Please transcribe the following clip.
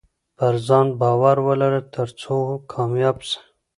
پرځان باور ولره ترڅو کامياب سې